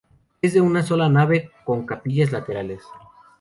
Es de una sola nave, con capillas laterales.